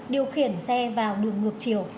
điều khiển xe vào đường ngược chiều